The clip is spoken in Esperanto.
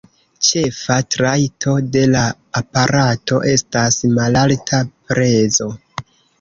Ĉefa trajto de la aparato estas malalta prezo.